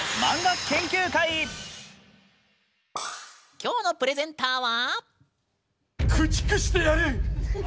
きょうのプレゼンターは？